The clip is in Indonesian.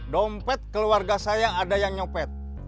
dompet keluarga saya ada yang nyopet